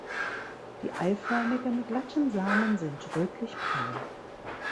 Die eiförmigen, glatten Samen sind rötlich-braun.